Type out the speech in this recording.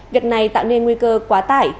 việc này tạo nên nguy cơ quá tải